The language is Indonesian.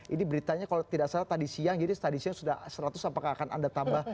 ini beritanya kalau tidak salah tadi siang jadi tadi siang sudah seratus apakah anda akan tambah seratus